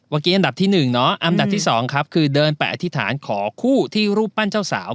เมื่อกี้อันดับที่๑อันดับที่๒คือเดินไปอธิษฐานขอคู่ที่รูปปั้นเจ้าสาว